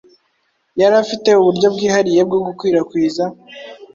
Yari afite uburyo bwihariye bwo gukwirakwiza